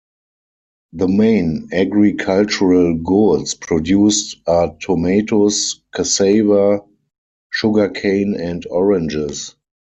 The main agricultural goods produced are tomatoes, cassava, sugarcane and oranges.